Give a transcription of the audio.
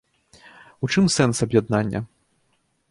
У чым сэнс аб'яднання?